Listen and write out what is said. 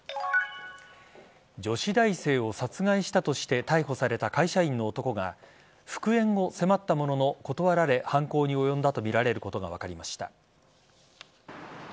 女子大生を殺害したとして逮捕された会社員の男が復縁を迫ったものの断られ犯行に及んだとみられることが分かりました。